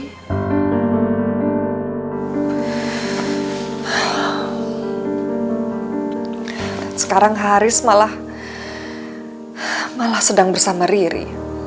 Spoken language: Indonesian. dan sekarang haris malah malah sedang bersama riri